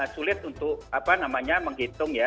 sulit untuk menghitung ya